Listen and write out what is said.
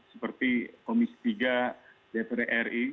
seperti komisi tiga dpr ri